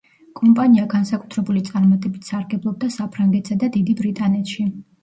კომპანია განსაკუთრებული წარმატებით სარგებლობდა საფრანგეთსა და დიდი ბრიტანეთში.